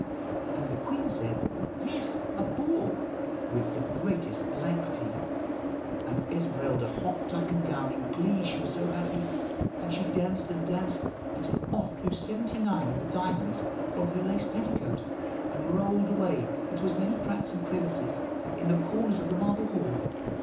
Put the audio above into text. "And the queen said, 'Yes, a Ball,' with the greatest alacrity. And Esmeralda hopped up and down in glee, she was so happy; and she danced and danced until off flew seventy nine of the diamonds from her lace petticoat, and rolled away into as many cracks and crevices in the corners of the marble hall.